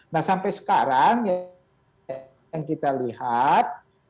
nah sampai sekarang yang kita lihat